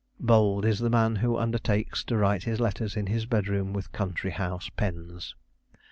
Bold is the man who undertakes to write his letters in his bedroom with country house pens.